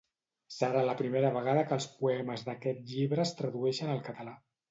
Serà la primera vegada que els poemes d'aquest llibre es tradueixen al català.